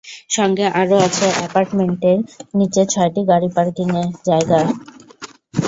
সঙ্গে আরও আছে অ্যাপার্টমেন্টের নিচে ছয়টি গাড়ি পার্কিংয়ের জায়গা।